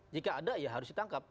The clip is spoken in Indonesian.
jika ada ya harus ditangkap